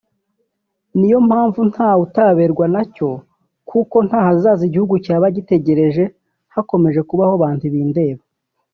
niyo mpamvu ntawe utarebwa na cyo kuko nta hazaza igihugu cyaba gitegereje hakomeje kubaho ba ntibindeba